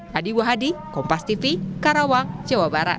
hadi wahdi kompas tv karawang jawa barat